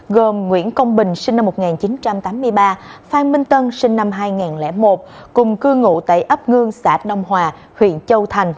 gồm nguyễn công bình sinh năm một nghìn chín trăm tám mươi ba phan minh tân sinh năm hai nghìn một cùng cư ngụ tại ấp ngưng xã đông hòa huyện châu thành